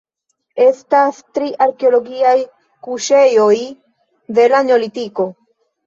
Estas tri arkeologiaj kuŝejoj de la Neolitiko.